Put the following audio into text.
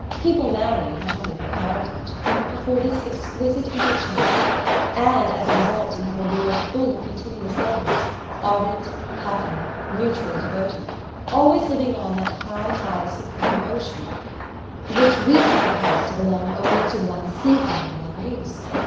People marry, not only for parentage, but for this exquisite interchange and, as a result, you have a world full of continuous lovers, ardent, happy, mutually devoted, always living on that high tide of supreme emotion which we had supposed to belong only to one season and one use.